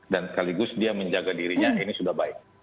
dan sekaligus dia menjaga dirinya ini sudah baik